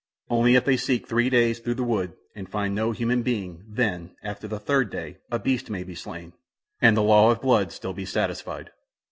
Only if they seek three days through the wood, and find no human being, then, after the third day, a beast may be slain, and the law of blood still be satisfied.